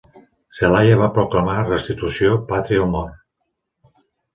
Zelaya va proclamar "Restitució, pàtria o mort!".